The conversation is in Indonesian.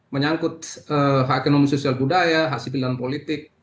menyangkut hak ekonomi sosial budaya hak sibilan politik